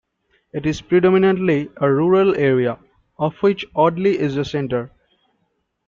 It is predominantly a rural area, of which Audley is the centre.